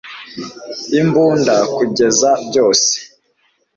imbunda - kugeza byose